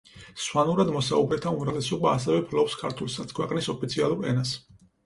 სვანურად მოსაუბრეთა უმრავლესობა ასევე ფლობს ქართულსაც, ქვეყნის ოფიციალურ ენას.